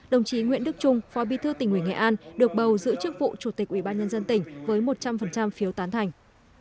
đồng chí nguyễn đức trung phó bí thư tỉnh nghệ an được bầu giữ chức vụ chủ tịch ubnd tỉnh với một trăm linh phiếu tán thành